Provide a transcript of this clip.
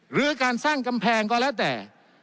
หรือการสร้างกำแพงก็แล้วแต่